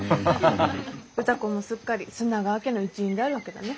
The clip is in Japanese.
歌子もすっかり砂川家の一員であるわけだね。